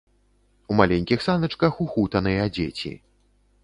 У маленькіх саначках ухутаныя дзеці.